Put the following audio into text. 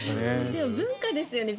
でも、文化ですよね。